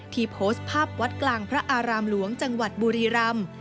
โพสต์ภาพวัดกลางพระอารามหลวงจังหวัดบุรีรำ